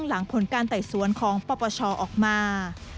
หลังผลการไต่สวนของปปชออกมา